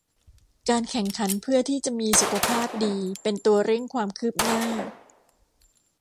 การแข่งขันเพื่อที่จะมีสุขภาพดีเป็นตัวเร่งความคืบหน้า